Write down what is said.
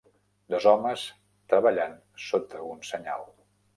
Dos homes treballant sota un senyal.